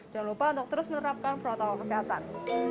jangan lupa untuk terus menerapkan protokol kesehatan